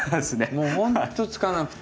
もうほんとつかなくて。